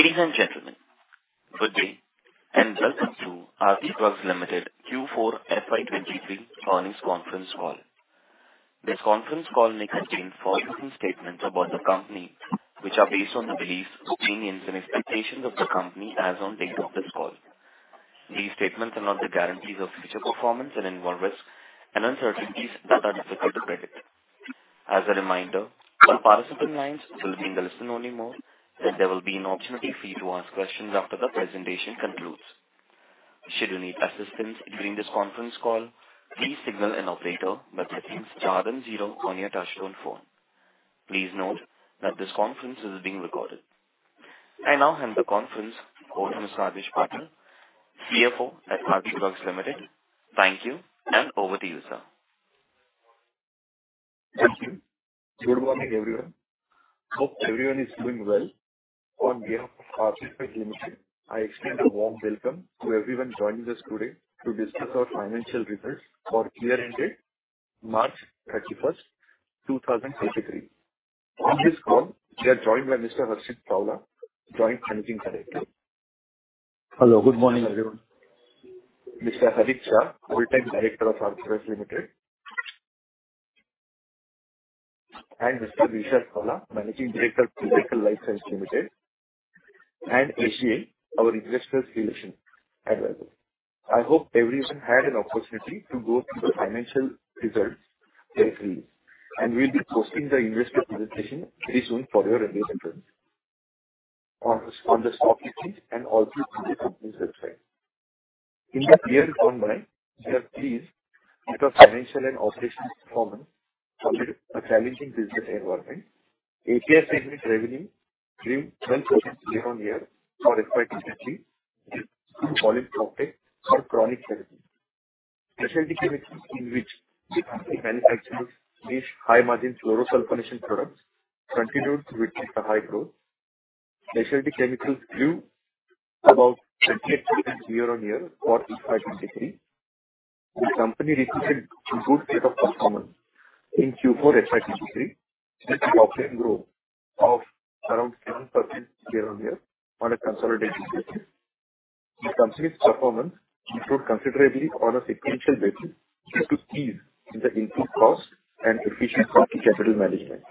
Ladies and gentlemen, good day and welcome to Aarti Drugs Limited Q4 FY23 earnings conference call. This conference call may contain forward-looking statements about the company, which are based on the beliefs, opinions and expectations of the company as on date of this call. These statements are not the guarantees of future performance and involve risks and uncertainties that are difficult to predict. As a reminder, all participant lines will be in listen-only mode. There will be an opportunity for you to ask questions after the presentation concludes. Should you need assistance during this conference call, please signal an operator by pressing star then zero on your touch-tone phone. Please note that this conference is being recorded. I now hand the conference over to Adhish Patil, CFO at Aarti Drugs Limited. Thank you and over to you, sir. Thank you. Good morning, everyone. Hope everyone is doing well. On behalf of Aarti Drugs Limited, I extend a warm welcome to everyone joining us today to discuss our financial results for year ended March 31, 2023. On this call, we are joined by Mr. Harshit Savla, Joint Managing Director. Hello. Good morning, everyone. Mr. Harit Shah, Whole-Time Director of Aarti Drugs Limited. Mr. Vishwa Savla, Managing Director, Pinnacle Life Science Private Limited and SGA, our Investor Relations Advisor. I hope everyone had an opportunity to go through the financial results carefully, and we'll be posting the investor presentation pretty soon for your ready reference on the stock exchange and also through the company's website. In the year combined, we are pleased with our financial and operational performance amid a challenging business environment. API segment revenue grew 12% year-over-year for FY 2023 due to volume profit from chronic therapies. Specialty chemicals, in which the company manufactures these high-margin fluorosulfonation products, continued to witness a high growth. Specialty chemicals grew about 28% year-over-year for FY 2023. The company repeated good rate of performance in Q4 FY2023 with the operating growth of around 7% year-on-year on a consolidated basis. The company's performance improved considerably on a sequential basis due to ease in the input costs and efficient working capital management.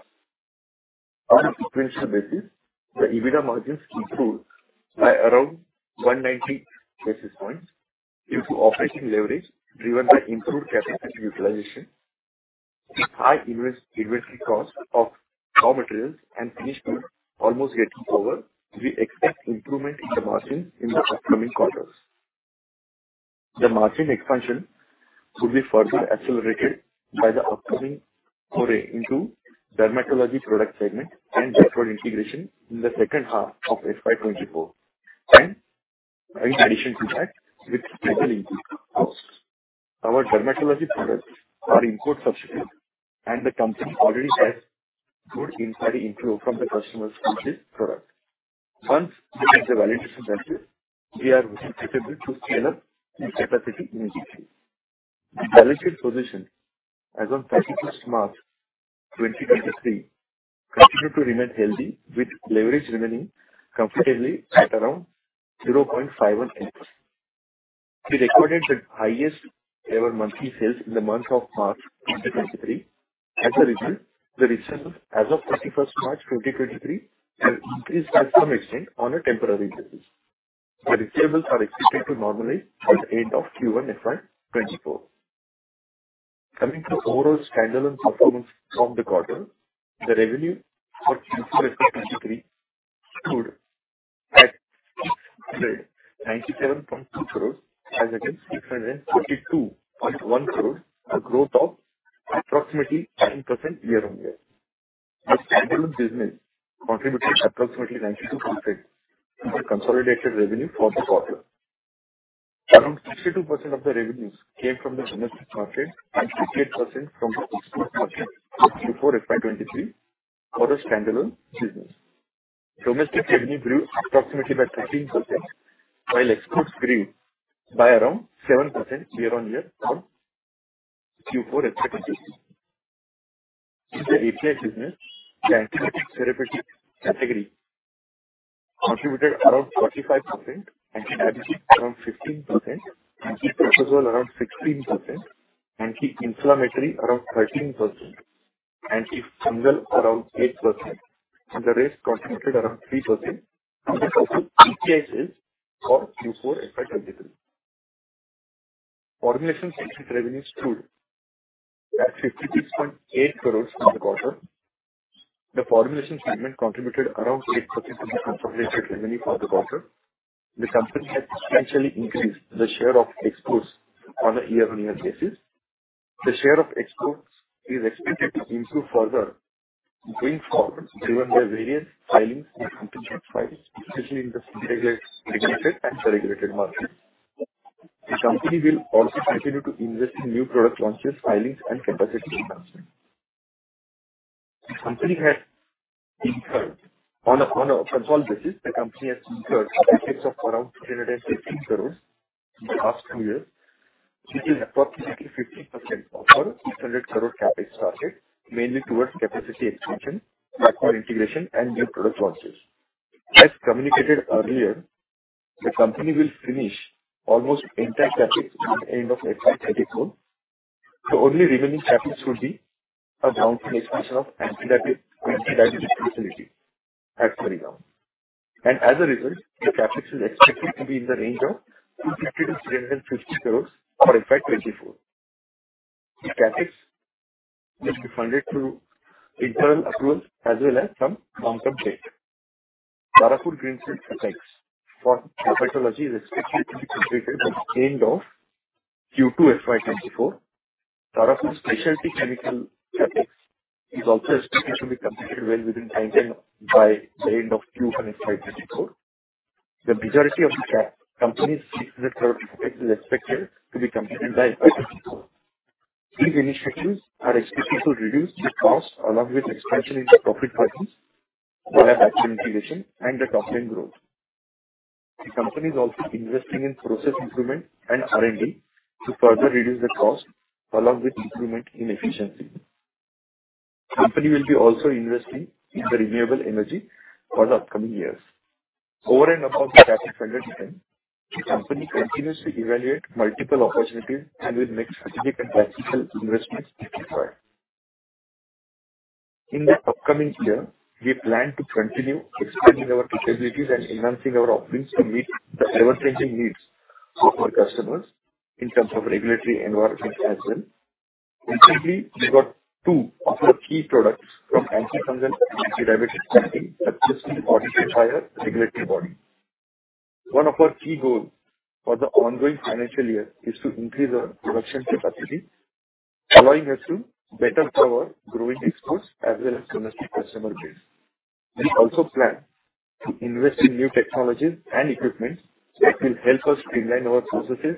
On a sequential basis, the EBITDA margins improved by around 190 basis points due to operating leverage driven by improved capacity utilization. With high investing cost of raw materials and finished goods almost getting over, we expect improvement in the margins in the upcoming quarters. The margin expansion should be further accelerated by the upcoming foray into dermatology product segment and Jetro integration in the second half of FY2024. In addition to that, with stable increase costs. Our dermatology products are import substitute. The company already has good inquiry inflow from the customers for this product. Once we get the validation done, we are well-situated to scale up the capacity immediately. The balance sheet position as on 31st March 2023 continued to remain healthy, with leverage remaining comfortably at around 0.51 times. We recorded the highest ever monthly sales in the month of March 2023. As a result, the receivables as of 31st March 2023 have increased at some extent on a temporary basis. The receivables are expected to normalize by the end of Q1 FY 2024. Coming to overall standalone performance from the quarter, the revenue for Q4 FY 2023 stood at 697.2 crores as against 642.1 crores, a growth of approximately 10% year-on-year. The standalone business contributed approximately 92% to the consolidated revenue for the quarter. Around 62% of the revenues came from the domestic market and 68% from the export market for Q4 FY 2023 for the standalone business. Domestic revenue grew approximately by 13%, while exports grew by around 7% year-on-year from Q4 FY 2023. In the API business, the antibiotic therapeutic category contributed around 45%, anti-diabetic around 15%, anti-tuberculosis around 16%, anti-inflammatory around 13%, anti-fungal around 8%, and the rest contributed around 3% of the total API sales for Q4 FY 2023. Formulation segment revenues stood at 56.8 crores in the quarter. The formulation segment contributed around 8% of the consolidated revenue for the quarter. The company has substantially increased the share of exports on a year-on-year basis. The share of exports is expected to improve further going forward, driven by various filings and ANDA files, especially in the regulated markets. The company will also continue to invest in new product launches, filings and capacity expansion. On a consolidated basis, the company has incurred CapEx of around 216 crores in the last two years. Which is approximately 15% of our 800 crore CapEx target, mainly towards capacity expansion, platform integration, and new product launches. As communicated earlier, the company will finish almost entire CapEx by the end of FY 2024. The only remaining CapEx would be a downstream expansion of anti-diabetes facility at Karams. As a result, the CapEx is expected to be in the range of 250 crores-350 crores for FY 2024. The CapEx is to be funded through internal accruals as well as some long-term debt. Tarapur greenfield CapEx for ophthalmology is expected to be completed by the end of Q2 FY 2024. Tarapur specialty chemical CapEx is also expected to be completed well within time by the end of Q1 FY 2024. The majority of the company's INR 600 crore CapEx is expected to be completed by FY 2024. These initiatives are expected to reduce the cost along with expansion into profit margins, better integration, and the top-line growth. The company is also investing in process improvement and R&D to further reduce the cost along with improvement in efficiency. Company will be also investing in the renewable energy for the upcoming years. Over and above the CapEx funded items, the company continues to evaluate multiple opportunities and will make strategic and tactical investments if required. In the upcoming year, we plan to continue expanding our capabilities and enhancing our offerings to meet the ever-changing needs of our customers in terms of regulatory environment as well. Recently, we got two of our key products from antifungal and antidiabetes segment that just got audited by a regulatory body. One of our key goals for the ongoing financial year is to increase our production capacity, allowing us to better serve our growing exports as well as domestic customer base. We also plan to invest in new technologies and equipment that will help us streamline our processes,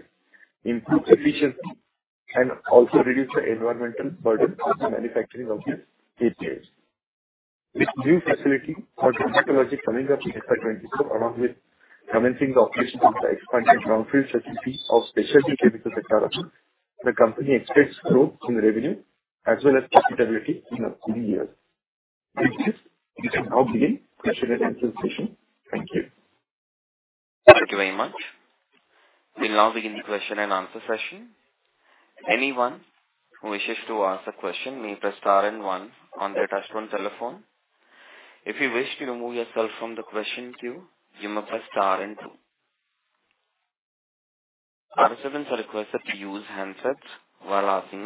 improve efficiency, and also reduce the environmental burden of the manufacturing of the API. With new facility for ophthalmology coming up in FY 2024, along with commencing the operations of the expanded downfield facilities of specialty chemicals at Tarapur, the company expects growth in revenue as well as profitability in the coming years. With this, we can now begin question and answer session. Thank you. Thank you very much. We'll now begin the question and answer session. Anyone who wishes to ask a question may press star and one on their touchtone telephone. If you wish to remove yourself from the question queue, you may press star and two. Participants are requested to use handsets while asking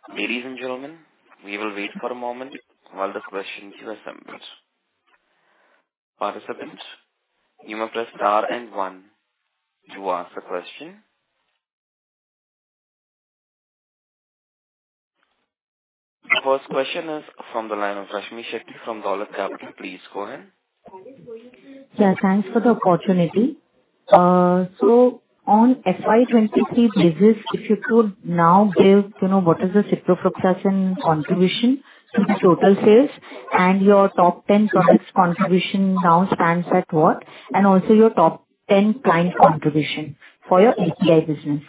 a question. Ladies and gentlemen, we will wait for a moment while the questions are assembled. Participants, you may press star and one to ask a question. The first question is from the line of Rashmi Shetty from Dolat Capital. Please go ahead. Thanks for the opportunity. On FY23 business, if you could now give, you know, what is the Ciprofloxin contribution to the total sales and your top 10 products contribution now stands at what, and also your top 10 client contribution for your API business?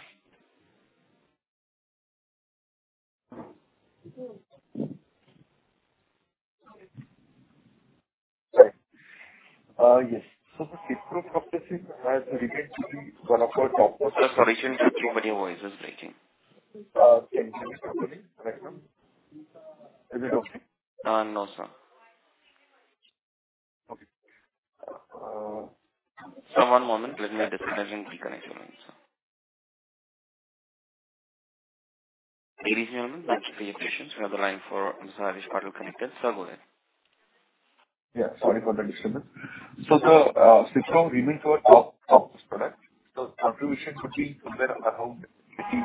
Right. Yes. The Ciprofloxin has remained to be one of our top products. Sir, sorry to interrupt you. Your voice is breaking. Can you hear me now, Ma'am? Is it okay? No, sir. Okay. Sir, one moment. Let me disconnect and reconnect you, sir. Ladies and gentlemen, thank you for your patience. We have the line for Mr. Harish Patil connected. Sir, go ahead. Yeah, sorry for the disturbance. The Cipro remains our top product. The contribution could be somewhere around 15%-20%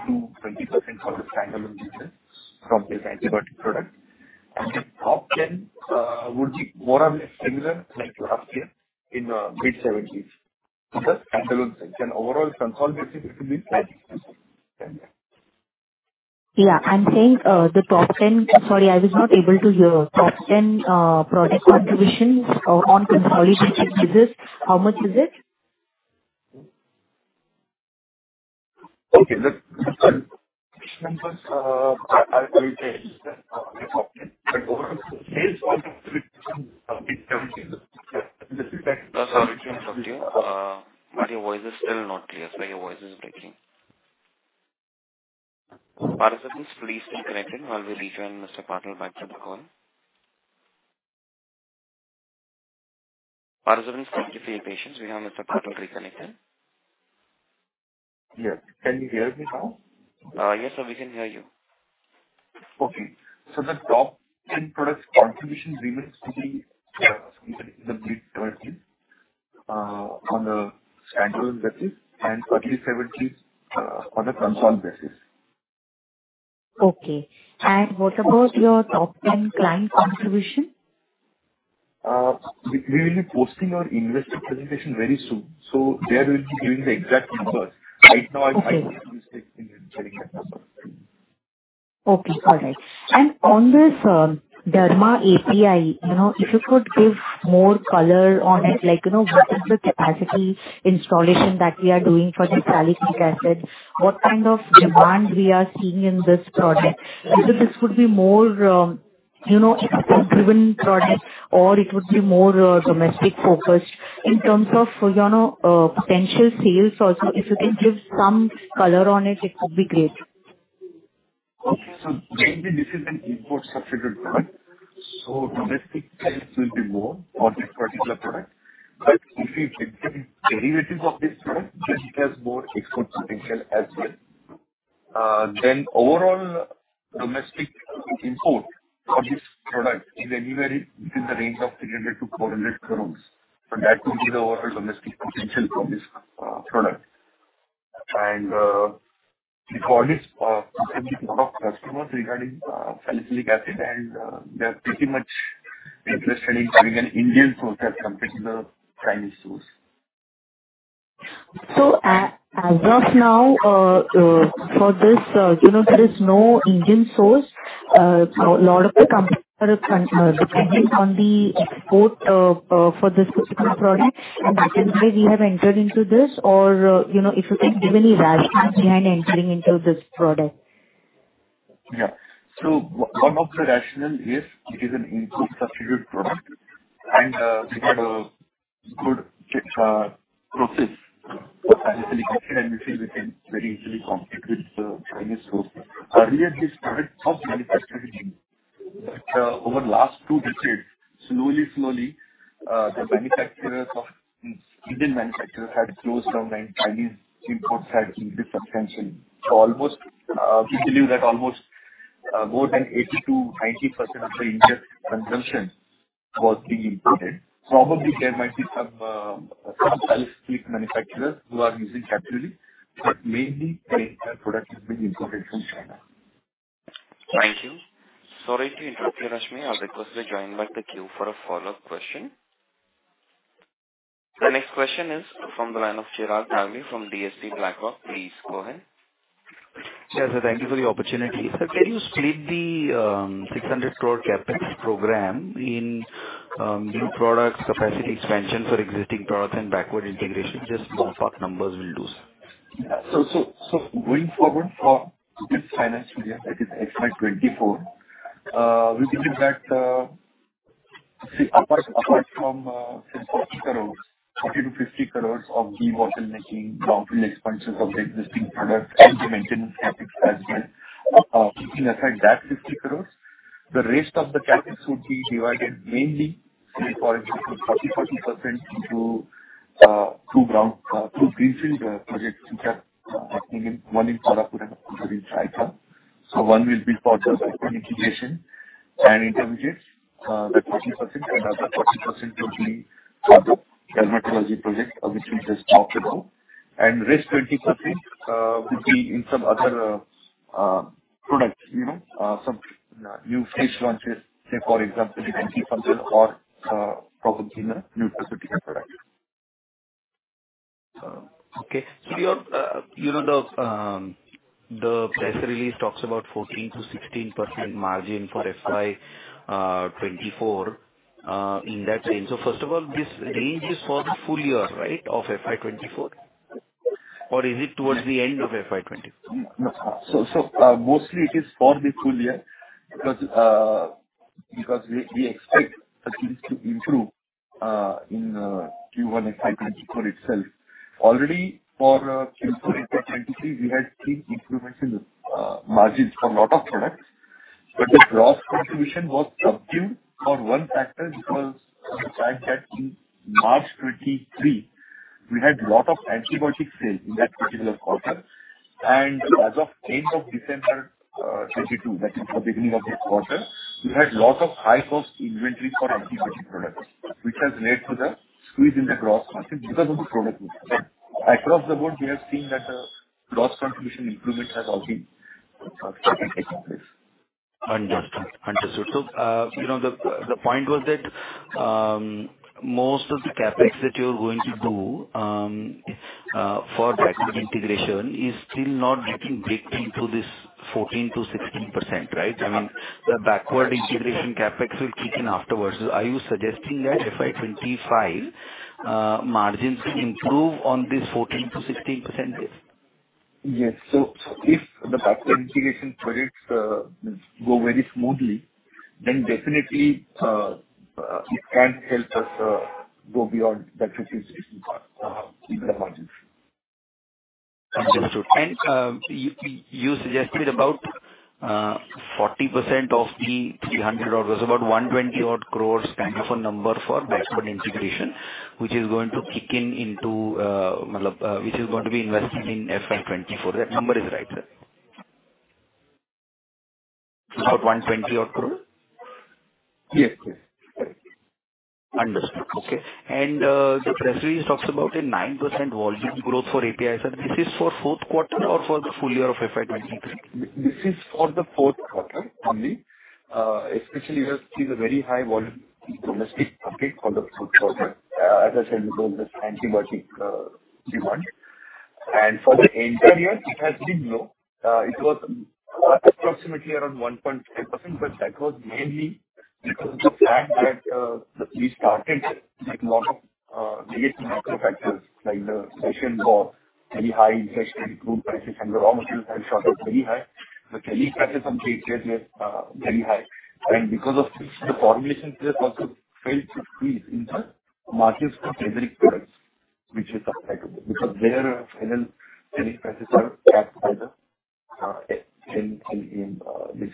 of the standalone business from this antibiotic product. The top 10 would be more or less similar like last year in mid-seventies on the standalone basis and overall consolidated, it will be 30%. Thank you. Yeah. I'm saying, the top 10... Sorry, I was not able to hear. Top 10, product contributions, on consolidation basis, how much is it? Okay. The top 10 contribution members are pretty much the same as last year. Overall sales of the top 10 is mid-70s. Yeah. Sir, sorry to interrupt you. Your voice is still not clear. Sorry, your voice is breaking. Participants, please stay connected while we rejoin Mr. Patil back to the call. Participants, thank you for your patience. We have Mr. Patil reconnected. Yes. Can you hear me now? Yes, sir. We can hear you. Okay. the top 10 products contribution remains to be- Yeah. in the mid-30s, on a standalone basis and early seventies, on a consolidated basis. Okay. What about your top 10 client contribution? We will be posting our investor presentation very soon. There we'll be giving the exact numbers. Okay. Right now I wouldn't be able to share it with you, ma'am. Okay. All right. On this Derma API, you know, if you could give more color on it, like, you know, what is the capacity installation that we are doing for the salicylic acid, what kind of demand we are seeing in this product? Whether this could be more, you know, export-driven product or it would be more domestic focused. In terms of, you know, potential sales also, if you can give some color on it would be great. Okay. Mainly this is an import substituted product, so domestic sales will be more for this particular product. If we look at derivatives of this product, then it has more export potential as well. Overall domestic import for this product is anywhere between the range of 300 crore-400 crore. That would be the overall domestic potential for this product. We call this specific lot of customers regarding salicylic acid, and they're pretty much interested in having an Indian source as compared to the Chinese source. As of now, you know, for this, there is no Indian source. A lot of the companies are depending on the export for this specific product. That is why we have entered into this. If you can give any rationale behind entering into this product? Yeah. One of the rationale is it is an import substituted product and we've got a good process for salicylic acid, and we feel we can very easily compete with the Chinese source. Earlier, this product was manufactured in India. Over the last two decades, slowly, the Indian manufacturers had closed down and Chinese imports had increased substantially. Almost, we believe that almost, more than 80%-90% of the India consumption was being imported. Probably there might be some salicylic manufacturers who are using locally, but mainly the entire product is being imported from China. Thank you. Sorry to interrupt you, Rashmi. I'll request you join back the queue for a follow-up question. The next question is from the line of Gérald Thede from DSC BlackRock. Please go ahead. Yes, thank you for the opportunity. Sir, can you split the 600 crore CapEx program in new products, capacity expansion for existing products and backward integration? Just ballpark numbers will do. Going forward for this financial year, that is FY 2024, we believe that, see apart from, say 40 crores, 40-50 crores of the model making capital expenses of the existing product and the maintenance CapEx as well, keeping aside that 50 crores, the rest of the CapEx would be divided mainly, say for example, 40%, 40% into two ground, two greenfield projects which are happening in, one in Kolhapur and other in Saykha. One will be for the backward integration and intermediates, that's 40% and other 40% would be for the dermatology project of which we just talked about. And rest 20% would be in some other products, you know, some new phase launches, say for example, anti-fungal or probably in a nutraceutical product. Okay. Your, you know, the press release talks about 14%-16% margin for FY 2024 in that range. First of all, this range is for the full year, right, of FY 2024? Or is it towards the end of FY 2024? No. Mostly it is for the full year because we expect things to improve in Q1 FY 2024 itself. Already for Q4 FY 2023, we had seen improvements in margins for lot of products. The gross contribution was subdued for one factor because of the fact that in March 2023 we had lot of antibiotic sales in that particular quarter. As of end of December 2022, that is the beginning of this quarter, we had lot of high cost inventory for antibiotic products, which has led to the squeeze in the gross margin because of the product mix. Across the board we have seen that gross contribution improvement has been taking place. Understood. Understood. You know, the point was that most of the CapEx that you're going to do for backward integration is still not getting baked into this 14%-16%, right? I mean, the backward integration CapEx will kick in afterwards. Are you suggesting that FY25 margins will improve on this 14%-16% base? Yes. If the backward integration projects go very smoothly, then definitely it can help us go beyond that 15%-16% EBITDA margins. Understood. You, you suggested about 40% of the 300 odd, was about 120 odd crore kind of a number for backward integration, which is going to kick in into, which is going to be invested in FY 2024. That number is right, sir? About 120 odd crore? Yes, yes. Correct. Understood. Okay. The press release talks about a 9% volume growth for APIs. This is for fourth quarter or for the full year of FY 2023? This is for the fourth quarter only. Especially we have seen a very high volume in domestic market for the fourth quarter. As I said, because of the antibiotic demand. For the entire year, it has been low. It was approximately around 1.8%, but that was mainly because of the fact that we started with lot of negative macro factors like the session was very high, interest rate grew prices and raw materials had shot up very high. The cherry prices on KCL were very high. Because of this, the formulation players also failed to increase in the margins for basic products, which is applicable because their final cherry prices are capped by the in this.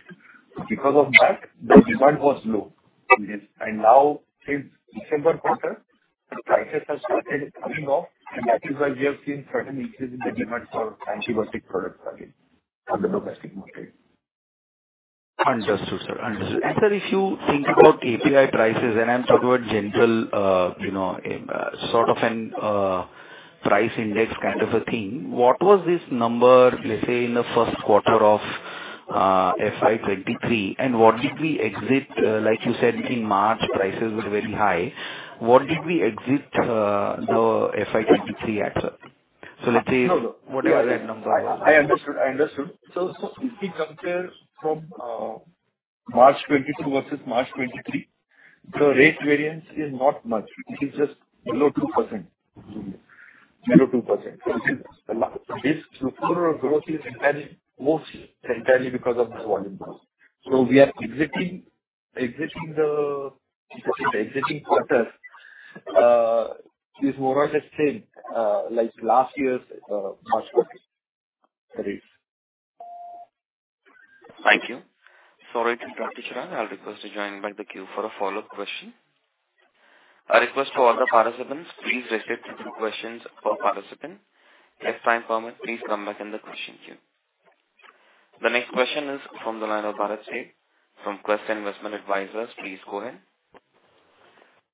Because of that, the demand was low in this. Now since December quarter, the prices have started coming off, and that is why we have seen certain increase in the demand for antibiotic products again from the domestic market. Understood, sir. Understood. Sir, if you think about API prices, and I'm talking about general, you know, sort of an price index kind of a thing. What was this number, let's say in the first quarter of FY 23, and what did we exit, like you said, in March, prices were very high. What did we exit the FY 23 at, sir? No, no. What are the numbers? I understood. I understood. If we compare from March 2022 versus March 2023, the rate variance is not much. It is just below 2%. Below 2%. The quarter growth is entirely, most entirely because of this volume growth. We are exiting the exiting quarter is more or less same like last year's March quarter rates. Thank you. Sorry to interrupt, Ishan. I'll request you join back the queue for a follow-up question. A request to all the participants. Please restrict it to questions per participant. If time permit, please come back in the question queue. The next question is from the line of Bharat Sheth, from Quest Investment Advisors. Please go ahead.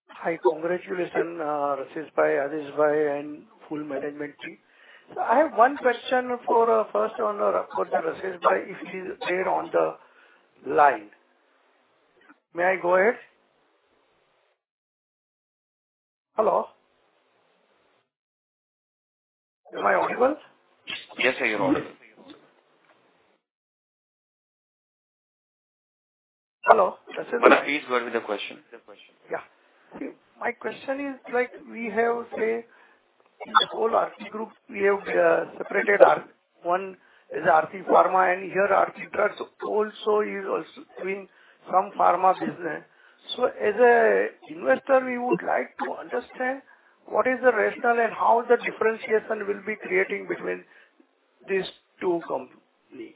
Hi. Congratulations, Rasheshbai, Adeshbai, and full management team. I have one question for, first on, of course, Rasheshbai, if she's there on the line. May I go ahead? Hello. Am I audible? Yes, sir, you're audible. Hello. Please go ahead with the question. Yeah. My question is, like, we have, say, in the whole Aarti Group, we have separated one is Aarti Pharma and here Aarti Drugs is also doing some pharma business. As a investor, we would like to understand what is the rationale and how the differentiation will be creating between these two company.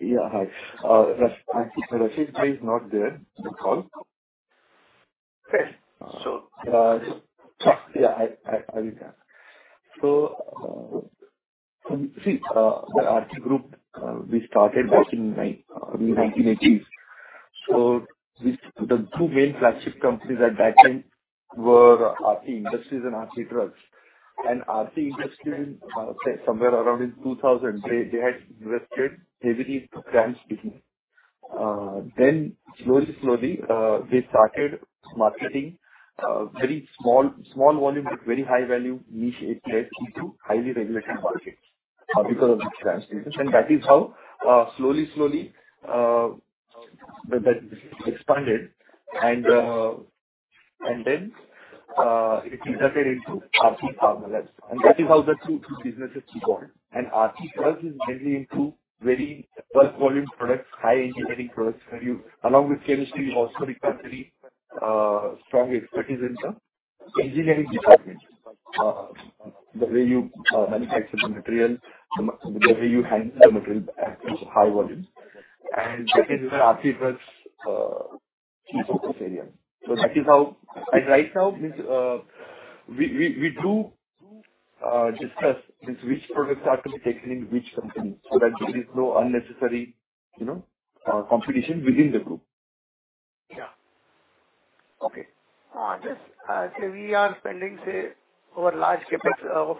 Yeah. Hi. Rasheshbai is not there in the call. Okay. I will tell. The Aarti Group we started back in 1980. The two main flagship companies at that time were Aarti Industries and Aarti Drugs. Aarti Industries, say somewhere around in 2000, they had invested heavily into trans business. Slowly, slowly, they started marketing very small volume but very high value niche APIs into highly regulated markets because of its trans business. That is how slowly that expanded and it entered into Aarti Pharmalabs. That is how the two businesses keep going. Aarti Drugs is mainly into very bulk volume products, high engineering products where you, along with chemistry, you also require very strong expertise in some engineering department. The way you manufacture the material, the way you handle the material at such high volumes. That is Aarti Drugs' key focus area. That is how. Right now, this, we do discuss this which products are to be taken in which company, so that there is no unnecessary, you know, competition within the group. Yeah. Okay. just say we are spending, say, our large CapEx of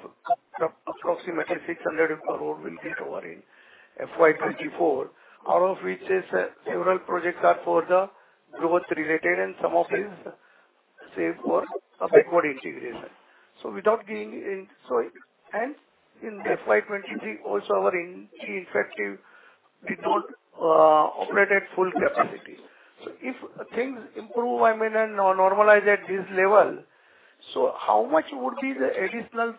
approximately INR 600 crore will be covering FY 2024, out of which is several projects are for the growth related, and some of is saved for a backward integration. Without being in... In FY 2023, also our engine effective did not operate at full capacity. If things improve, I mean, and normalize at this level, how much would be the additional,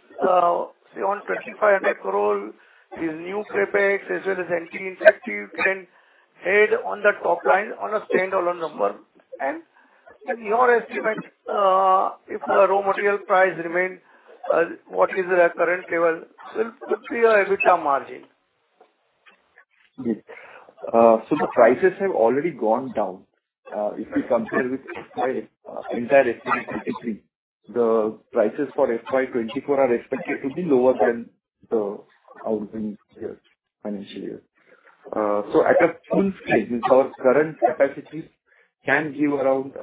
say on 2,500 crore is new CapEx as well as engine effective can add on the top line on a standalone number. In your estimate, if the raw material price remain, what is the current level will be your EBITDA margin? Yes. The prices have already gone down. If you compare with entire FY 2023, the prices for FY 2024 are expected to be lower than the outgoing year, financial year. At a full scale, our current capacities can give around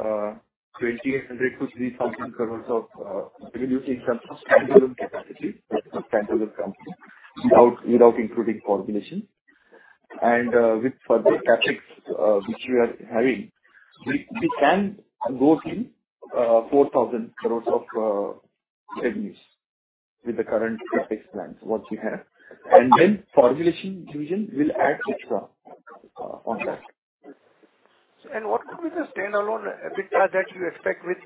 2,800 crores to 3,000 crores of revenue in terms of standalone capacity of standalone company without including formulation. With further CapEx, which we are having, we can go till 4,000 crores of revenues with the current CapEx plans, what we have. Then formulation division will add extra on that. What could be the standalone EBITDA that you expect with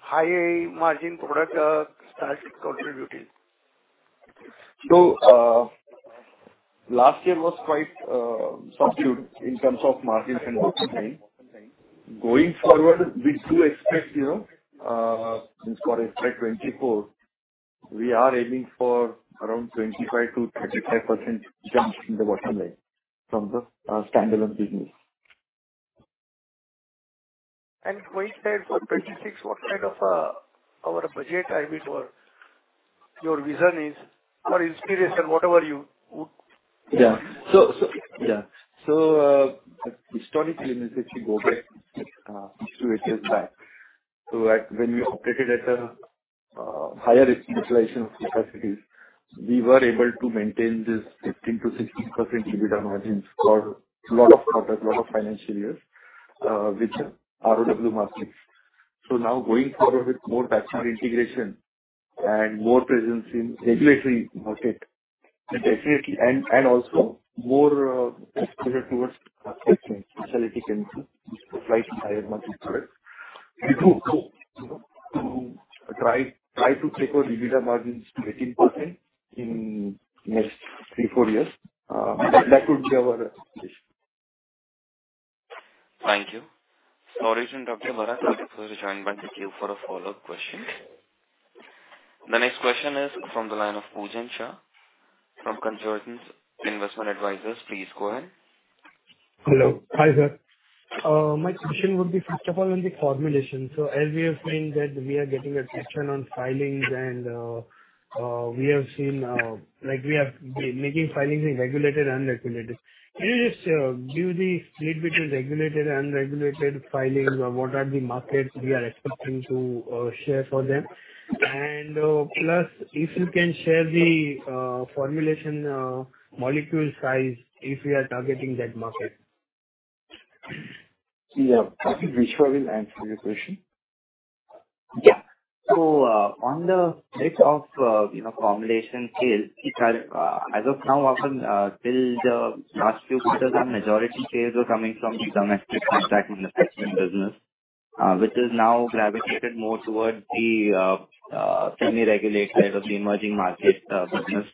higher margin product, start contributing? Last year was quite subdued in terms of margins and bottom line. Going forward, we do expect, you know, for FY 2024, we are aiming for around 25%-35% jump in the bottom line from the standalone business. Going ahead for 26, what kind of, our budget, I mean, or your vision is or inspiration, whatever you would? Historically, Mr. Sri, if you go back, two, three years back. When we operated at a higher utilization of capacities, we were able to maintain this 15%-16% EBITDA margins for lot of product, lot of financial years, which are OW margins. Now going forward with more vertical integration and more presence in regulatory market and definitely and also more exposure towards specialty chemical, which is slightly higher margin product. We do hope, you know, to try to take our EBITDA margins to 18% in next three, four years. That could be our. Thank you. Sorry, Dr. Bharat. Thank you for joining back the queue for a follow-up question. The next question is from the line of Poojan Shah from Carnelian Asset Management & Advisors. Please go ahead. Hello. Hi there. My question would be first of all on the formulation. As we have seen that we are getting a question on filings and we have seen, like we have been making filings in regulated, unregulated. Can you just give the split between regulated, unregulated filings or what are the markets we are expecting to share for them? Plus if you can share the formulation molecule size if we are targeting that market. Yeah. I think Vishwa will answer your question. Yeah. On the mix of, you know, formulation sales, it has, as of now, often, till the last few quarters our majority sales are coming from domestic contract manufacturing business, which has now gravitated more towards the semi-regulated side of the emerging market business,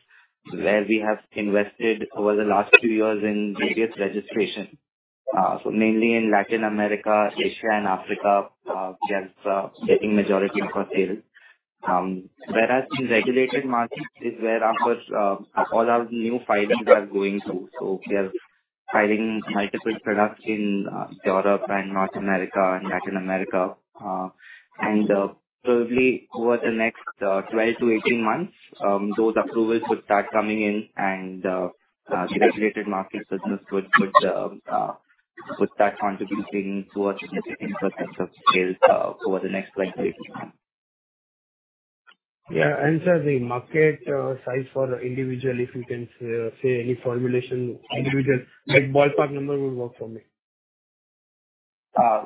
where we have invested over the last few years in various registrations. Mainly in Latin America, Asia and Africa, we are getting majority of our sales. Whereas the regulated market is where all our new filings are going through. We are filing multiple products in Europe and North America and Latin America. Probably over the next 12 - 18 months, those approvals would start coming in and the regulated market business would start contributing towards a significant percentage of sales over the next 12 - 18 months. Yeah. Sir, the market size for individual, if you can say any formulation, individual, like, ballpark number would work for me.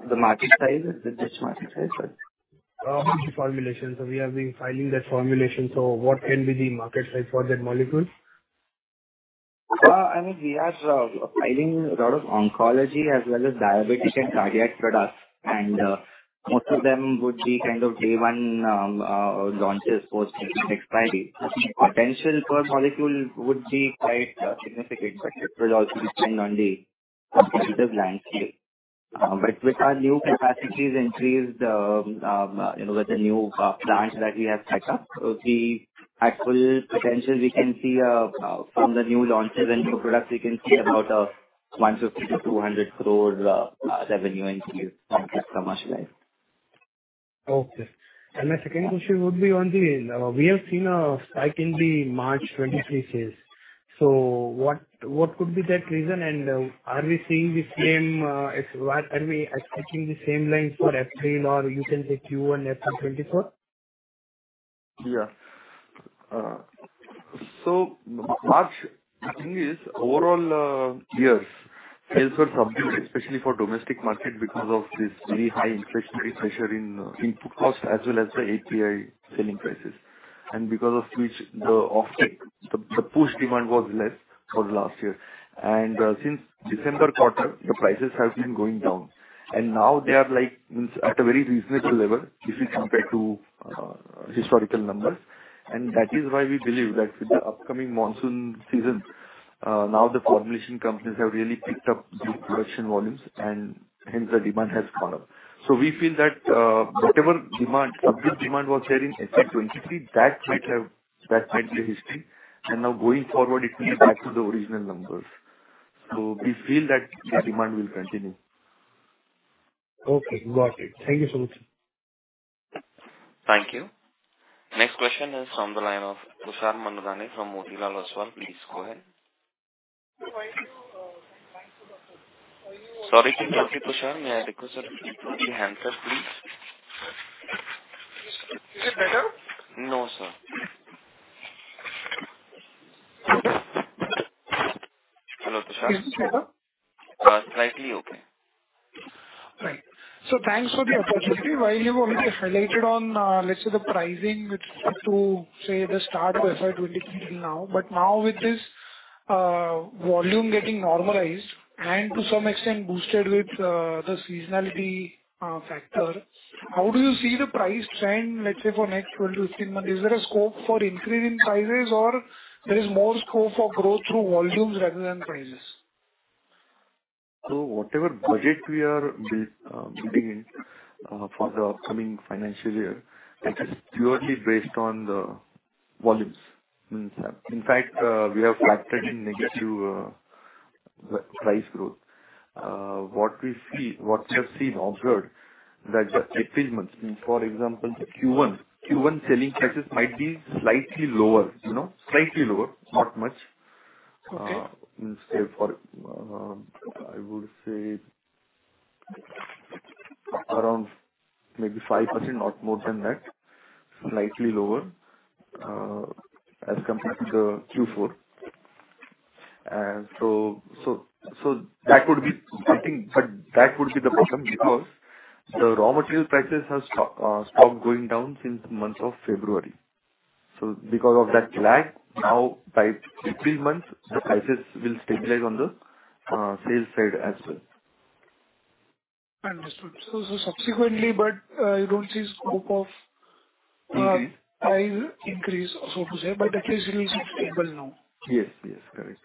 The market size? The just market size or? The formulation. We have been filing that formulation, so what can be the market size for that molecule? I mean, we are filing a lot of oncology as well as diabetic and cardiac products, and most of them would be kind of day one launches post FDA expiry. Potential per molecule would be quite significant, but it will also depend on the competitive landscape. With our new capacities increased, you know, with the new plants that we have set up, the actual potential we can see from the new launches and new products, we can see about 150-200 crores revenue in the next commercial life. Okay. My second question would be on the, we have seen a spike in the March 2023 sales. What could be that reason? Are we seeing the same, are we expecting the same lines for April or you can say Q1 FY 2024? Yeah. March, the thing is overall, years sales were subdued, especially for domestic market because of this very high inflationary pressure in input costs as well as the API selling prices. Because of which the offtake, the post demand was less for the last year. Since December quarter, the prices have been going down and now they are like at a very reasonable level if we compare to historical numbers. That is why we believe that with the upcoming monsoon season, now the formulation companies have really picked up the production volumes and hence the demand has gone up. We feel that whatever demand, subdued demand was there in F.Y. 23, that might be history. Now going forward it will be back to the original numbers. We feel that the demand will continue. Okay, got it. Thank you so much. Thank you. Next question is from the line of Tushar Manudhane from Motilal Oswal. Please go ahead. Sorry Dr. Tushar. May I request you to mute your handset please. Is it better? No, sir. Is it better? slightly okay. Right. Thanks for the opportunity. While you have already highlighted on, let's say, the pricing with respect to, say, the start of FY 2023 till now with this, volume getting normalized and to some extent boosted with, the seasonality, factor, how do you see the price trend, let's say for next 12-15 months? Is there a scope for increase in prices or there is more scope for growth through volumes rather than prices? Whatever budget we are building for the upcoming financial year, it is purely based on the volumes. In fact, we have factor in negative price growth. What we have seen observed that the three months, for example, Q1. Q1 selling prices might be slightly lower, you know, slightly lower, not much. Okay. Instead for, I would say around maybe 5%, not more than that, slightly lower, as compared to Q4. That would be, I think, that would be the bottom because the raw material prices has stopped going down since the month of February. Because of that lag, now by three months, the prices will stabilize on the sales side as well. Understood. Subsequently, but, you don't see scope of- Mm-hmm. Price increase, so to say, but at least it is stable now. Yes, yes, correct.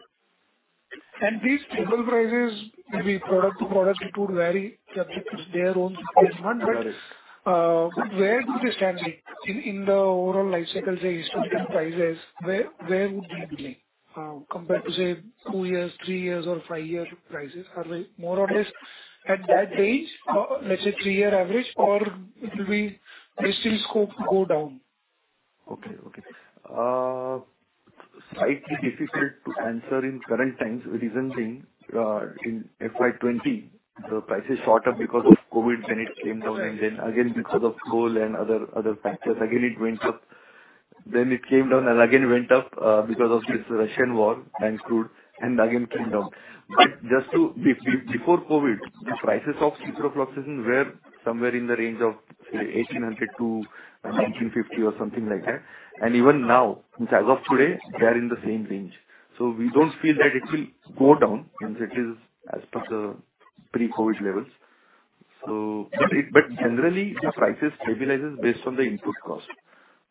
These stable prices, maybe product to product it would vary subject to their own sales month. Correct. Where do they stand today? In the overall life cycle, say, historical prices, where would we be laying? Compared to, say, two years, three years or five years prices. Are they more or less at that range, let's say three-year average or it will be there's still scope to go down? Okay, okay. Slightly difficult to answer in current times, the reason being, in FY 20, the prices shot up because of COVID, then it came down, and then again, because of coal and other factors, again, it went up. It came down and again went up because of this Russian war and crude, and again came down. Before COVID, the prices of ciprofloxacin were somewhere in the range of, say, 1,800-1,950 or something like that. Even now, as of today, they are in the same range. We don't feel that it will go down since it is as per the pre-COVID levels. Generally the prices stabilizes based on the input cost.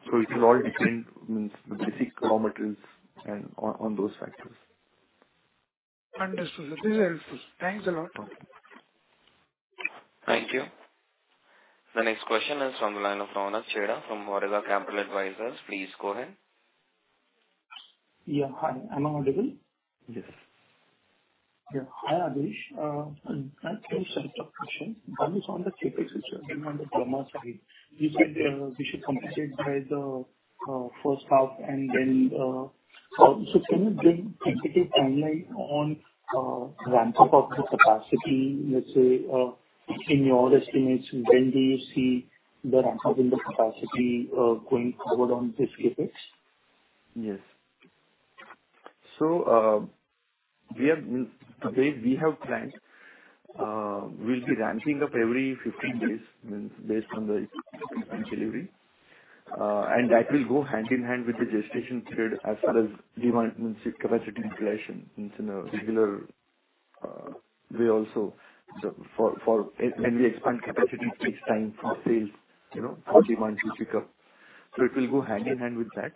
It is all differing means the basic raw materials and on those factors. Understood, sir. This is helpful. Thanks a lot. Okay. Thank you. The next question is from the line of Avnish Chheda from Motilal Oswal Capital Advisors. Please go ahead. Yeah, hi. Am I audible? Yes. Yeah. Hi, Adhish. I have two set of questions. One is on the CapEx which you have given on the drummer side. You said, we should compensate by the first half and then... Can you give specific timeline on ramp up of the capacity, let's say, in your estimates, when do you see the ramp up in the capacity, going forward on this CapEx? Yes. We, we have planned, we'll be ramping up every 15 days based on the and delivery. That will go hand-in-hand with the gestation period as well as demand and capacity utilization in, you know, regular way also. When we expand capacity, it takes time for sales, you know, for demand to pick up. It will go hand-in-hand with that.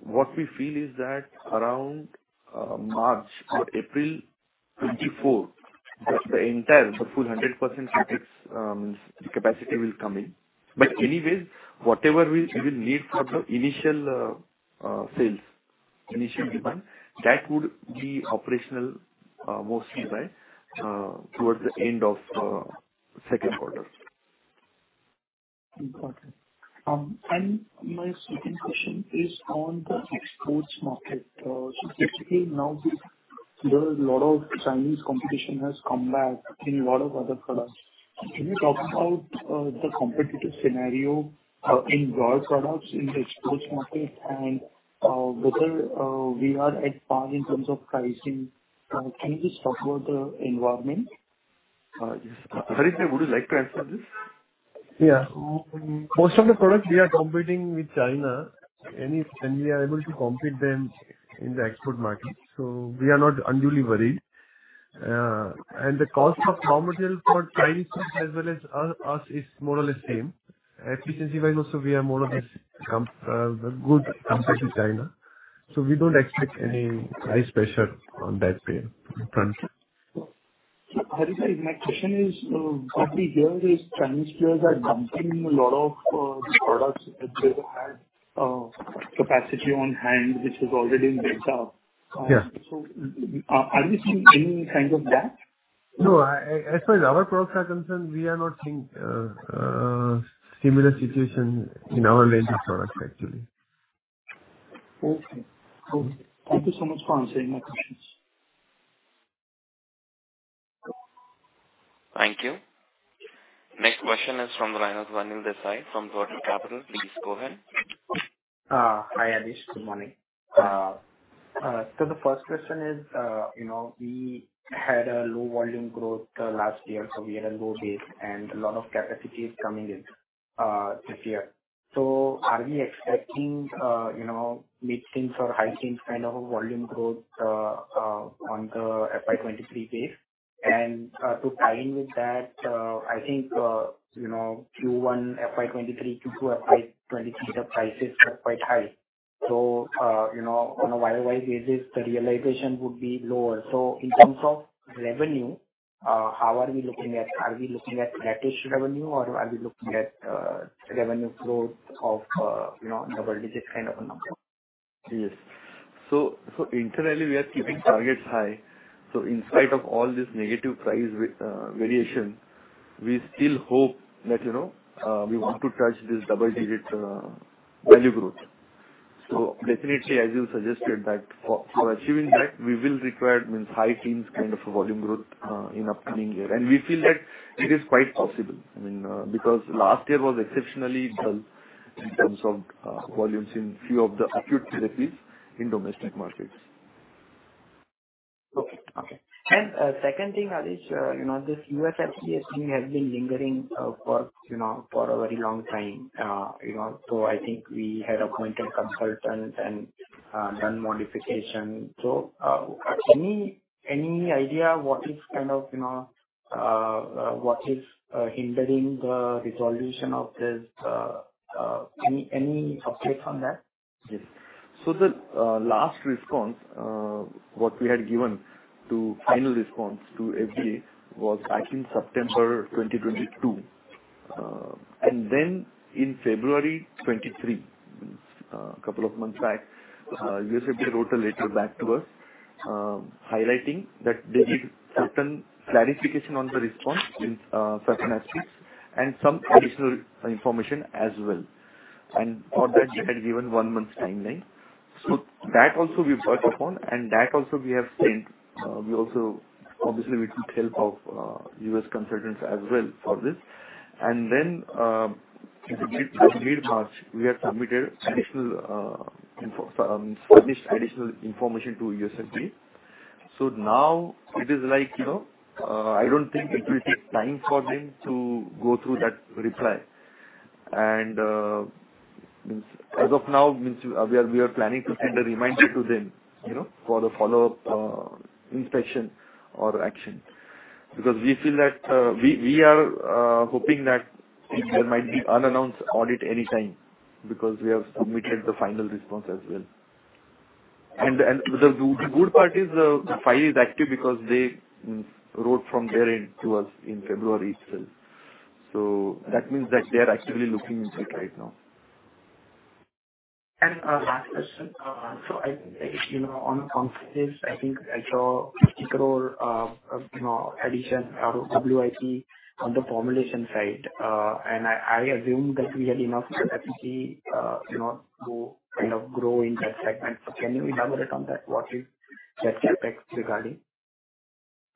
What we feel is that around March or April 2024, the entire, the full 100% CapEx capacity will come in. Anyways, whatever we will need for the initial sales, initial demand, that would be operational mostly by towards the end of second quarter. Got it. My second question is on the exports market. Specifically now the, there is a lot of Chinese competition has come back in lot of other products. Can you talk about, the competitive scenario, in your products in the export market and, whether, we are at par in terms of pricing? Can you just talk about the environment? Yes. Harit would you like to answer this? Most of the products we are competing with China, and we are able to compete them in the export market, so we are not unduly worried. The cost of raw material for Chinese as well as us is more or less same. Efficiency wise also we are more or less good compared to China. We don't expect any price pressure on that front. Harisha, my question is, what we hear is Chinese players are dumping a lot of products that they had capacity on hand which is already built up. Yeah. Are you seeing any kind of that? No. As far as our products are concerned, we are not seeing similar situation in our range of products actually. Okay, cool. Thank you so much for answering my questions. Thank you. Next question is from the line of Anil Desai from Dron Capital. Please go ahead. Hi, Adhish. Good morning. The first question is, you know, we had a low volume growth last year, we had a low base and a lot of capacity is coming in this year. Are we expecting, you know, mid-teens or high teens kind of a volume growth on the FY23 base? To tie in with that, I think, you know, Q1 FY23, Q2 FY23, the prices were quite high. You know, on a Y-o-Y basis, the realization would be lower. In terms of revenue, how are we looking at? Are we looking at flat-ish revenue or are we looking at revenue growth of, you know, double-digit kind of a number? Yes. Internally we are keeping targets high. In spite of all this negative price variation, we still hope that, you know, we want to touch this double digit value growth. Definitely as you suggested that for achieving that we will require means high teens kind of a volume growth in upcoming year. We feel that it is quite possible. I mean, because last year was exceptionally dull in terms of volumes in few of the acute therapies in domestic markets. Okay. Second thing, Adish, you know, this US FDA thing has been lingering, for, you know, for a very long time, you know. I think we had appointed consultants and, done modification. Any idea what is kind of, you know, what is hindering the resolution of this, any updates on that? Yes. The last response what we had given to final response to FDA was I think September 2022. In February 2023, couple of months back, US FDA wrote a letter back to us, highlighting that they need certain clarification on the response in certain aspects and some additional information as well. For that they had given one month timeline. That also we worked upon and that also we have sent. We also obviously we took help of US consultants as well for this. In mid-March, we have submitted additional info, furnished additional information to US FDA. Now it is like, you know, I don't think it will take time for them to go through that reply. means as of now we are planning to send a reminder to them, you know, for the follow-up inspection or action. Because we feel that we are hoping that there might be unannounced audit anytime because we have submitted the final response as well. the good part is the file is active because they wrote from their end to us in February itself. that means that they are actively looking into it right now. Last question. I, you know, on conferences, I think I saw 50 crore, you know, addition or WIP on the formulation side. I assume that we have enough capacity, you know, to kind of grow in that segment. Can you elaborate on that, what is that CapEx regarding?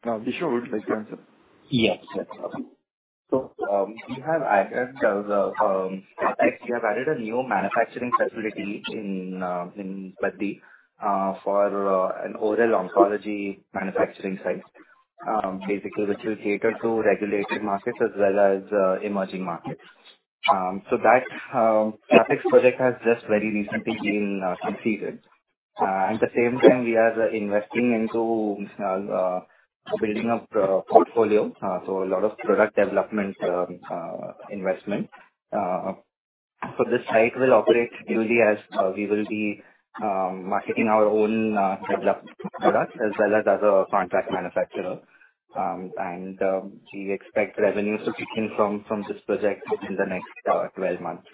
Bishu would like to answer. Yes, sure. We have added a new manufacturing facility in Baddi for an oral oncology manufacturing site, basically which will cater to regulated markets as well as emerging markets. That CapEx project has just very recently been completed. At the same time we are investing into building up portfolio, so a lot of product development investment. This site will operate dually as we will be marketing our own developed products as a contract manufacturer. We expect revenues to kick in from this project within the next 12 months.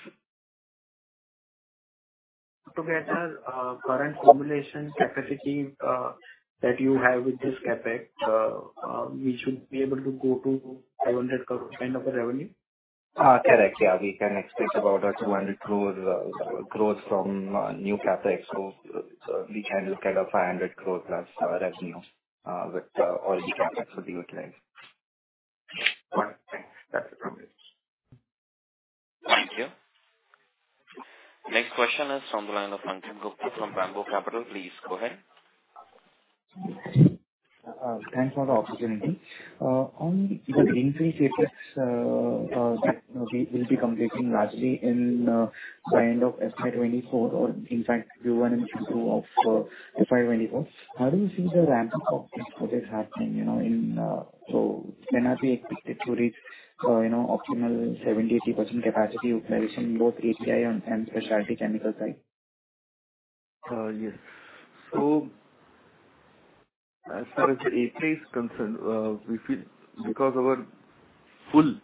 To get a current formulation capacity, that you have with this CapEx, we should be able to go to 500 crore kind of a revenue? Correct. Yeah. We can expect about a 200 crore growth from new CapEx. We can look at a 500 crore as revenue, with all the CapEx will be utilized. Got it. Thanks. That's it from me. Thank you. Next question is on the line of Manchan Gupta from Bambot Capital. Please go ahead. Thanks for the opportunity. On the increased CapEx that we will be completing largely by end of FY 2024 or in fact Q1 and Q2 of FY 2024, how do you see the ramp-up of this project happening? When are we expected to reach optimal 70%-80% capacity utilization in both API and specialty chemical side? Yes. As far as the API is concerned, we feel because our 100%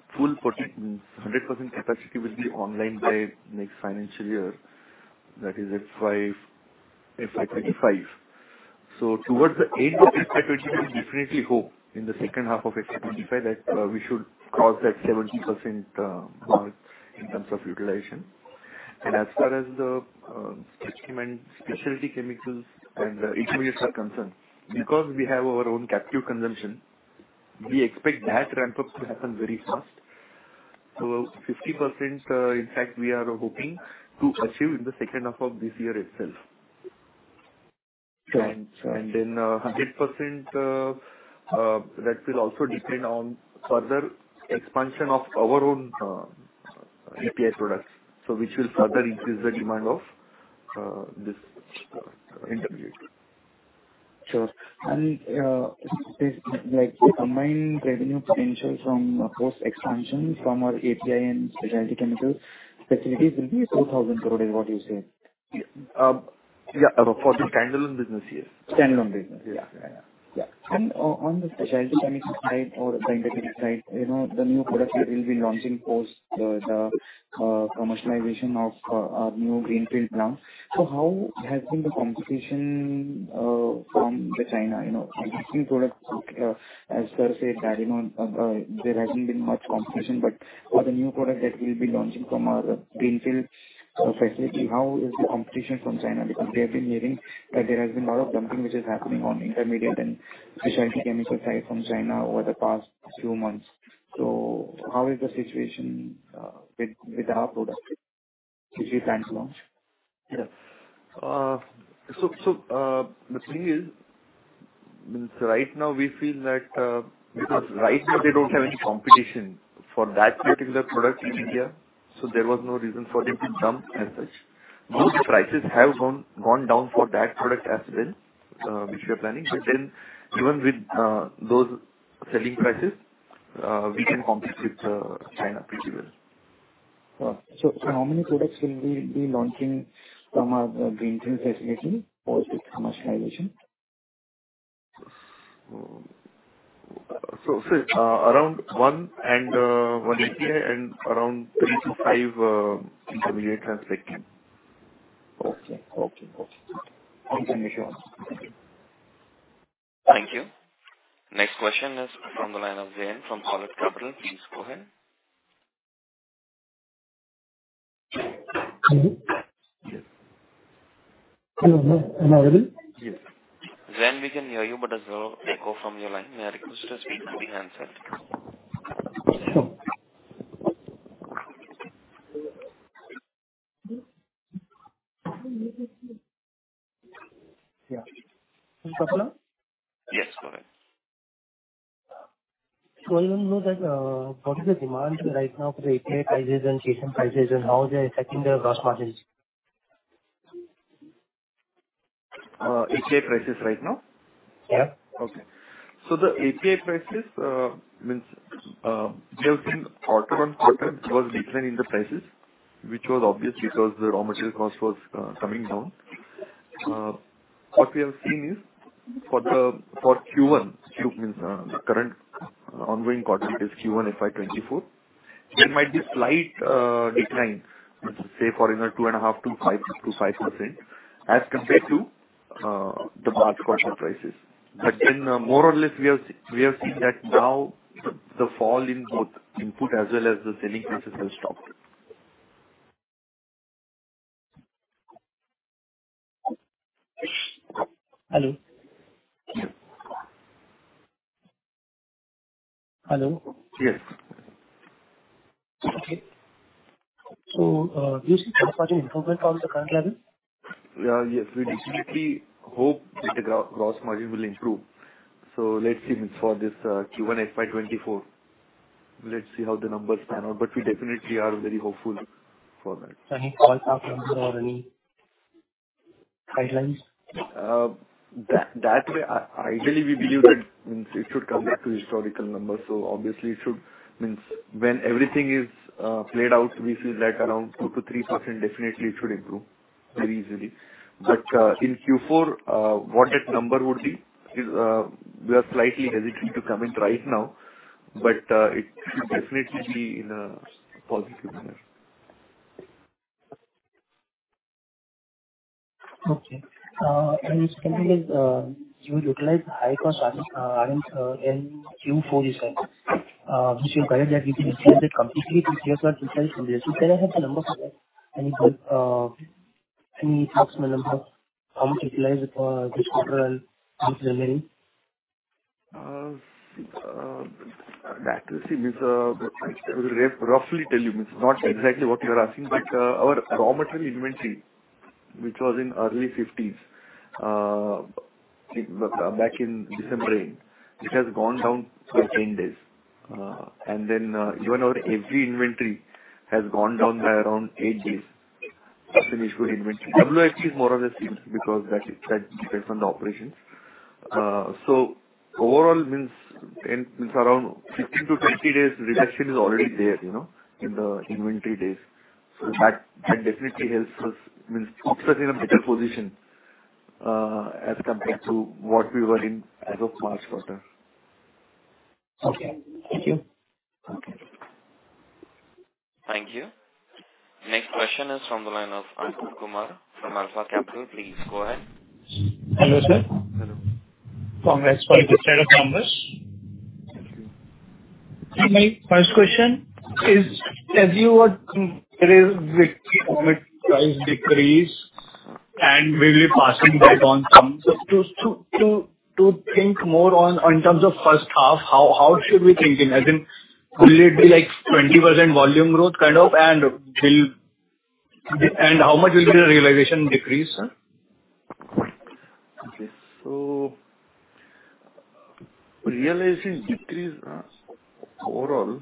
capacity will be online by next financial year, that is FY 2025. Towards the end of FY 2024, we definitely hope in the second half of FY 2025 that we should cross that 70% mark in terms of utilization. As far as the specialty chemicals and intermediates are concerned, because we have our own captive consumption, we expect that ramp-up to happen very fast. 50%, in fact, we are hoping to achieve in the second half of this year itself. Sure, sure. 8% that will also depend on further expansion of our own API products. Which will further increase the demand of this intermediate. Sure. like the combined revenue potential from post-expansion from our API and specialty chemical facilities will be 2,000 crores, is what you say? Yeah, for the standalone business, yes. Standalone business. Yeah. Yeah. On the specialty chemical side or the intermediate side, you know, the new products that we'll be launching post the commercialization of our new greenfield plant. How has been the competition from the China, you know, existing products, as sir said, carrying on, there hasn't been much competition. For the new product that we'll be launching from our greenfield facility, how is the competition from China? We have been hearing that there has been a lot of dumping which is happening on intermediate and specialty chemical side from China over the past few months. How is the situation with our product which we plan to launch? Yeah. The thing is, right now we feel that because right now they don't have any competition for that particular product in India, there was no reason for them to come as such. Those prices have gone down for that product as well, which we are planning. Even with those selling prices, we can compete with China pretty well. How many products will we be launching from our greenfield facility post its commercialization? Around one and one API and around three-five intermediate as such. Okay. Okay. Okay. Okay. Thank you. Thank you. Next question is from the line of Zain from Collins Capital. Please go ahead. Hello. Am I audible? Yes. Zain, we can hear you, but there's a echo from your line. May I request you to speak to the handset? Yeah. Is it better now? Yes. Go ahead. I want to know that, what is the demand right now for the API prices and KSM prices, and how they're affecting the gross margins? API prices right now? Yeah. The API prices, there's been quarter-on-quarter there was decline in the prices, which was obvious because the raw material cost was coming down. What we have seen is for the, for Q1, the current ongoing quarter, it is Q1 FY 2024. There might be slight decline, say for another 2.5%-5%, up to 5% as compared to the March quarter prices. More or less, we have seen that now the fall in both input as well as the selling prices has stopped. Hello? Yeah. Hello? Yes. Okay. Do you see gross margin improvement from the current level? Yeah. Yes, we definitely hope that the gross margin will improve. Let's see means for this Q1 FY 2024, let's see how the numbers pan out, but we definitely are very hopeful for that. Any call out numbers or any guidelines? That, that way, ideally, we believe that means it should come back to historical numbers. Obviously it should. Means when everything is played out, we feel that around 2%-3% definitely it should improve very easily. In Q4, what that number would be is, we are slightly hesitant to comment right now, but it should definitely be in a positive manner. Okay. The second is, you utilized high-cost, iron, in Q4 results, which you guided that you can utilize it completely through year through year. Can I have the number for that? Any, any approximate number, how much utilized, this quarter and this remaining? That we'll see. Means, I will roughly tell you. Means not exactly what you are asking, but our raw material inventory, which was in early 50s, back in December end, it has gone down by 10 days. Even our FG inventory has gone down by around 8 days as in finished good inventory. WIP is more or less same because that is, that depends on the operations. Overall means in, it's around 15-20 days reduction is already there, you know, in the inventory days. That, that definitely helps us, means puts us in a better position as compared to what we were in as of March quarter. Okay. Thank you. Okay. Thank you. Next question is from the line of Ankur Kumar from Alpha Capital. Please go ahead. Hello, sir. Hello. Congrats for the set of numbers. My first question is, as you were price decrease and we'll be passing that on to think more on terms of first half, how should we think in? As in, will it be like 20% volume growth kind of, and how much will be the realization decrease, sir? Okay. Realization decrease, overall,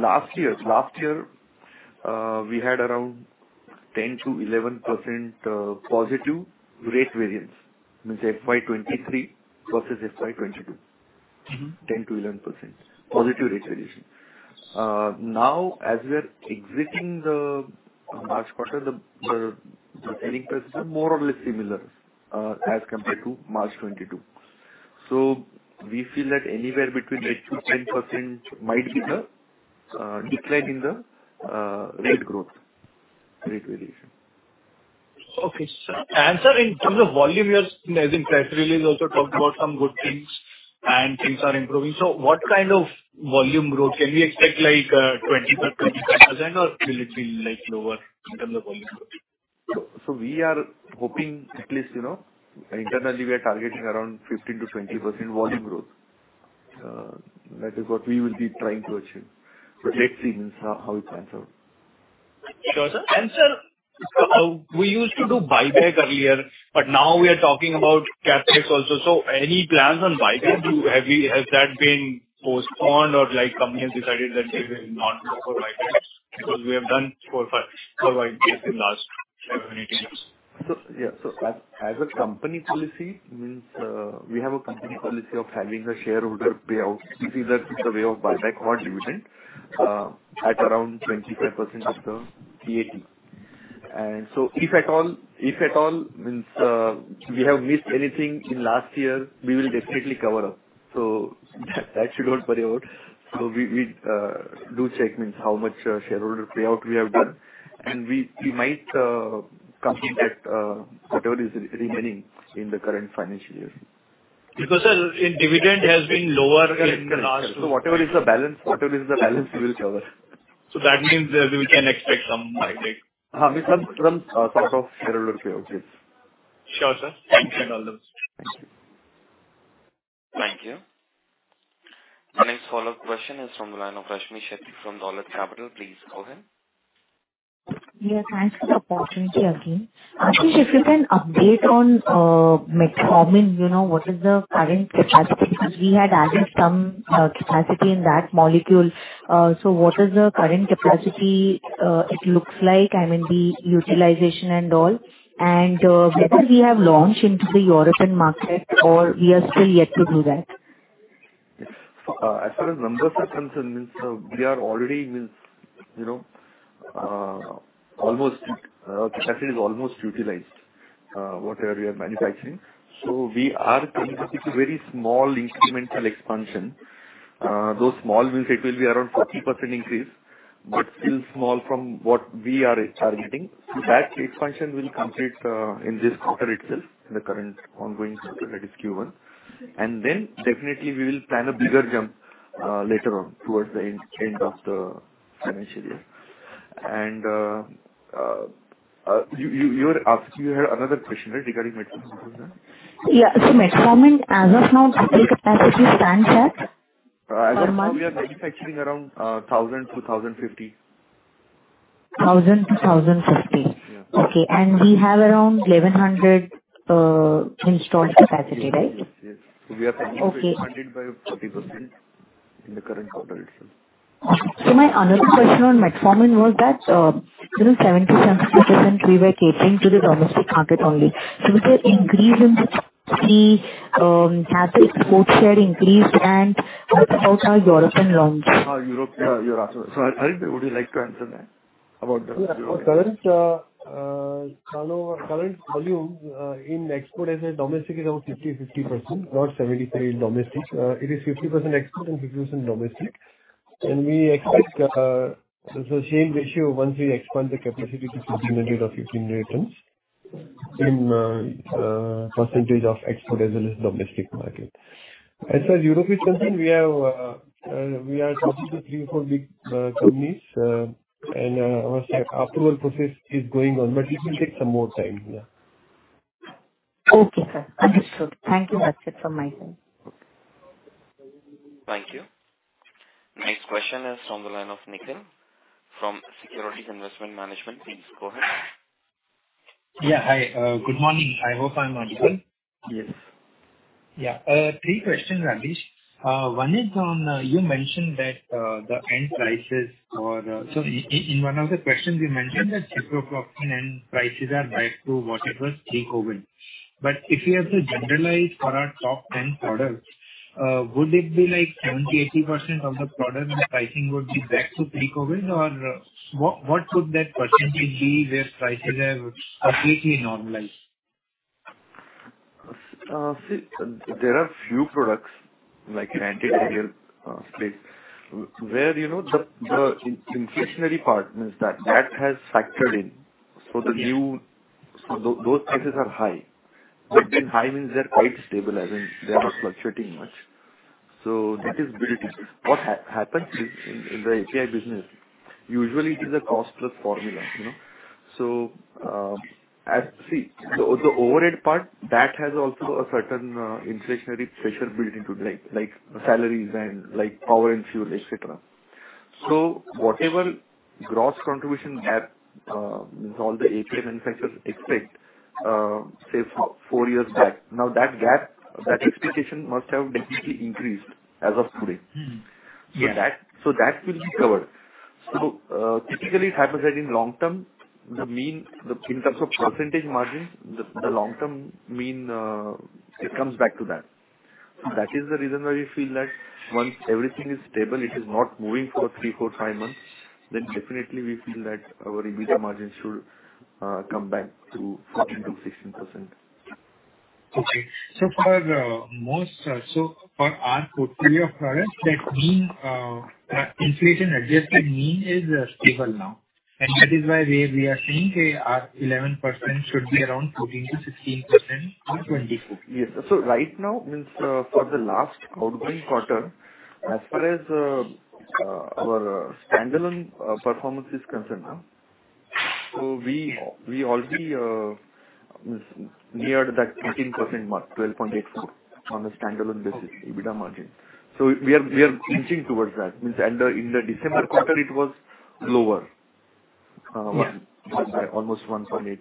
last year, we had around 10%-11% positive rate variance. Means FY 2023 versus FY 2022. Mm-hmm. 10%-11% positive rate variation. Now as we are exiting the March quarter, the earning rates are more or less similar as compared to March 2022. We feel that anywhere between 8%-10% might be the decline in the rate growth, rate variation. Okay, sir. Sir, in terms of volume. As in press release also talked about some good things and things are improving. What kind of volume growth can we expect, like, 20% or will it be, like, lower in terms of volume growth? We are hoping at least, you know, internally we are targeting around 15%-20% volume growth. That is what we will be trying to achieve. Let's see means how it pans out. Sure, sir. sir, we used to do buyback earlier, but now we are talking about CapEx also. Any plans on buyback? Has that been postponed or like company has decided that they will not go for buyback because we have done four or five buybacks in last seven, eight years. Yeah. As a company policy means, we have a company policy of having a shareholder payout, either through the way of buyback or dividend, at around 25% of the PAT. If at all means, we have missed anything in last year, we will definitely cover up. That you don't worry about. We do check means how much shareholder payout we have done, and we might complete that whatever is remaining in the current financial year. Sir, in dividend has been lower in last. Whatever is the balance we will cover. That means we can expect some buyback. We some sort of shareholder payout, yes. Sure, sir. Thank you. Thank you. Thank you. The next follow-up question is from the line of Rashmi Shetty from Dolat Capital. Please go ahead. Yeah, thanks for the opportunity again. Ashish, if you can update on, metformin, you know, what is the current capacity? We had added some, capacity in that molecule. What is the current capacity, it looks like, I mean, the utilization and all. Whether we have launched into the European market or we are still yet to do that? Yes. As far as numbers are concerned, means, we are already means, you know, almost capacity is almost utilized, whatever we are manufacturing. We are going to take a very small incremental expansion. Though small means it will be around 40% increase, but still small from what we are targeting. That expansion will complete in this quarter itself, in the current ongoing quarter, that is Q1. Definitely we will plan a bigger jump later on towards the end of the financial year. You were asking, you had another question, right, regarding metformin, was that? Yeah. metformin as of now, like, capacity stands at per month? As of now we are manufacturing around, 1,000 to 1,050. 1,000-1,050. Yeah. Okay. We have around 1,100 installed capacity, right? Yes. Yes. Yes. Okay. We are planning to expand it by 40% in the current quarter itself. My another question on metformin was that, you know, 70% we were catering to the domestic market only. Is there increase in the, has the export share increased and what about our European launch? Europe, yeah, Europe. Arif, would you like to answer that about the Europe? Sure. Our current volume in export as a domestic is around 50%-50%, not 70%-30% domestic. It is 50% export and 50% domestic. We expect the same ratio once we expand the capacity to 1,500 or 15 million tons in percentage of export as well as domestic market. As far as Europe is concerned, we are talking to three, four big companies. Our approval process is going on, but it will take some more time, yeah. Okay, sir. Understood. Thank you. That's it from my side. Thank you. Next question is from the line of Nikhil from Securities Investment Management. Please go ahead. Hi. Good morning. I hope I'm audible. Yes. Yeah. Three questions, Adhish. One is on, you mentioned that the end prices for... In one of the questions you mentioned that ciprofloxacin end prices are back to what it was pre-COVID. If you have to generalize for our top 10 products, would it be like 70%-80% of the products, the pricing would be back to pre-COVID or, what could that percentage be where prices have completely normalized? See, there are few products, like an antiviral space where, you know, the inflationary part is that that has factored in. Yes. Those prices are high. Okay. Being high means they're quite stable, as in they are not fluctuating much. That is built in. What happens is, in the API business, usually it is a cost plus formula, you know. See, the overhead part, that has also a certain inflationary pressure built into it, like salaries and like power and fuel, et cetera. Whatever gross contribution gap means all the API manufacturers expect, say four years back. That gap, that expectation must have definitely increased as of today. Mm-hmm. Yeah. So that will be covered. Typically, hypothetically, in long term, the mean, in terms of percentage margin, the long term mean, it comes back to that. Okay. That is the reason why we feel that once everything is stable, it is not moving for three, four, five months, then definitely we feel that our EBITDA margins should come back to 14%-16%. Okay. For, most, so for our portfolio of products, that mean, inflation-adjusted mean is, stable now. That is why we are saying our 11% should be around 14%-16% for 2024. Yes. Right now, for the last outgoing quarter, as far as our standalone performance is concerned now, we already neared that 18% mark, 12.84%, on a standalone basis. Okay. EBITDA margin. We are inching towards that. In the December quarter it was lower. Yeah. By almost 1.8%.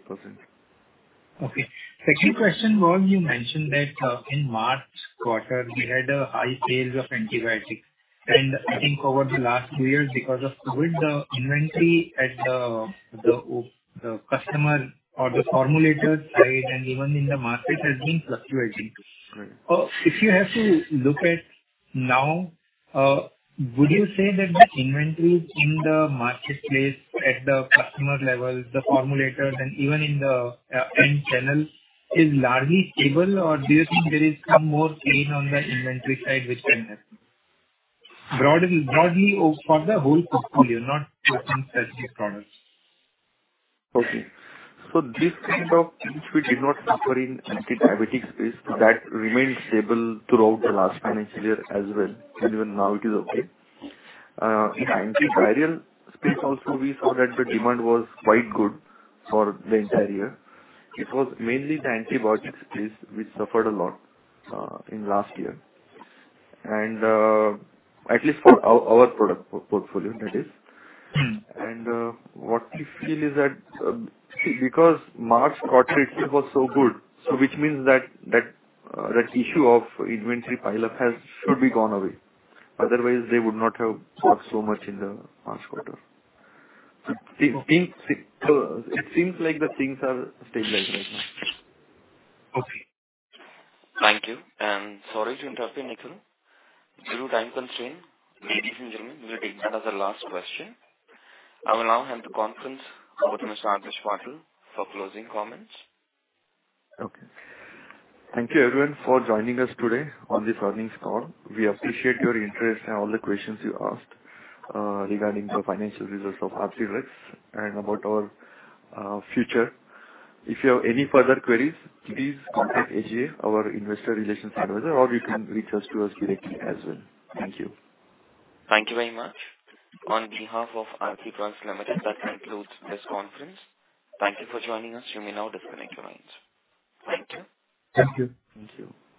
Okay. Second question was you mentioned that, in March quarter you had a high sales of antibiotics. I think over the last two years, because of Covid, the inventory at the customer or the formulator side and even in the market has been fluctuating. Right. If you have to look at now, would you say that the inventory in the marketplace at the customer level, the formulator, then even in the end channel is largely stable? Do you think there is some more pain on the inventory side which can happen? Broadly for the whole portfolio, not for any specific products. This kind of pinch we did not suffer in anti-diabetic space. That remained stable throughout the last financial year as well, and even now it is okay. In antiviral space also we saw that the demand was quite good for the entire year. It was mainly the antibiotics space which suffered a lot in last year and at least for our product portfolio, that is. Mm-hmm. What we feel is that because March quarter itself was so good, which means that issue of inventory pile up has, should be gone away. Otherwise they would not have bought so much in the last quarter. Okay. It seems like the things are stabilized right now. Okay. Thank you. Sorry to interrupt you, Nikhil. Due to time constraint, ladies and gentlemen, we will take that as the last question. I will now hand the conference over to Mr. Adhish Patil for closing comments. Okay. Thank you everyone for joining us today on this earnings call. We appreciate your interest and all the questions you asked regarding the financial results of Aarti Pharmalabs and about our future. If you have any further queries, please contact SGA, our investor relations advisor, or you can reach us to us directly as well. Thank you. Thank you very much. On behalf of Aarti Pharmalabs Limited, that concludes this conference. Thank you for joining us. You may now disconnect your lines. Thank you. Thank you. Thank you.